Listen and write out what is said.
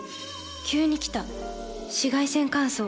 急に来た紫外線乾燥。